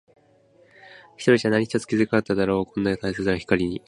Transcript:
一人じゃ何一つ気づけなかっただろう。こんなに大切な光に。